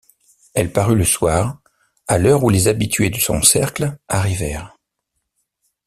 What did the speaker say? Elle parut le soir, à l’heure où les habitués de son cercle arrivèrent.